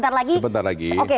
oh sebentar lagi